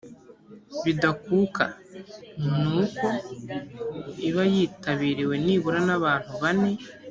bidakuka ni uko iba yitabiriwe nibura nabantu bane